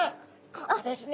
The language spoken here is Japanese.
ここですね。